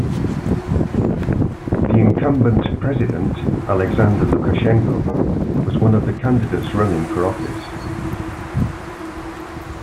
The incumbent president, Alexander Lukashenko, was one of the candidates running for office.